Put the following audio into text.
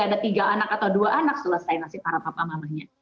ada tiga anak atau dua anak selesai nasib para papa mamanya